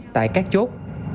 tại các chốt